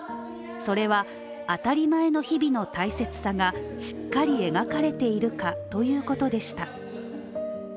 それは「当たり前の日々の大切さ」がしっかり描かれているかということでした。